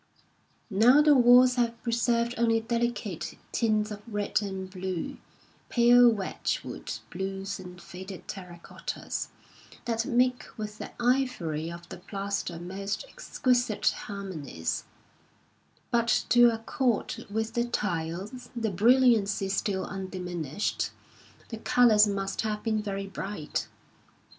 Now the walls have preserved only delicate tints of red and blue, pale Wedgwood blues and faded terra 185 Ube lanb of tbe Sleifcb Vfrain The cottas, that make with the ivory of the plaster mort Alhambra excjuisite harmonies; but to accord with the tiles, their brilliancy still undiminished, the coloius must have been very bright.